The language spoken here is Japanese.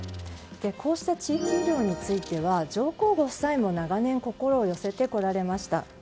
こうして地域医療については上皇ご夫妻も長年心を寄せられてこられました。